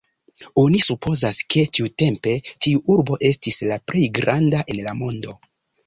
Oni supozas, ke tiutempe tiu urbo estis la plej granda en la mondo.